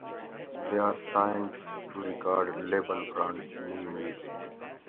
They are signed to record label Brand New Music.